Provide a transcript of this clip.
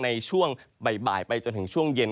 ในช่วงบ่ายไปจนถึงช่วงเย็น